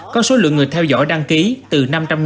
có số lượng người theo dõi đăng ký từ năm trăm linh